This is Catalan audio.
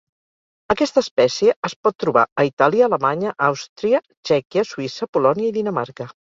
Aquesta espècie es pot trobar a Itàlia, Alemanya, Àustria, Txèquia, Suïssa, Polònia i Dinamarca.